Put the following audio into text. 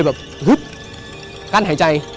ผ้ากั้นหายใจ